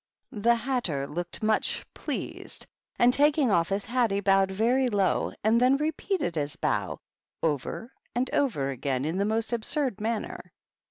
The Hatter looked much pleased, and, taking off his hat, he bowed very low, and then repeated his bow over and over again in the most absurd manner.